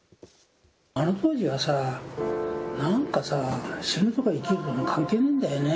あの当時はなんか、死ぬとか生きるとか関係ないんだよね。